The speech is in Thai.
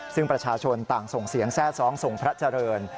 ซึ่งประชาชนต่างส่งเสียงแทร่ซ้องส่งพระเจริญ